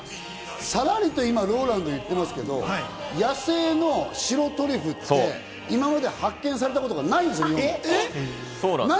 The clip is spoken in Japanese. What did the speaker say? さらりと今、ＲＯＬＡＮＤが言ったんですが、野生の白トリュフって今まで発見されたことがないんです。